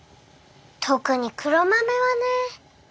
特に黒豆はね。